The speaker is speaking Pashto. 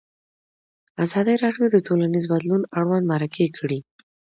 ازادي راډیو د ټولنیز بدلون اړوند مرکې کړي.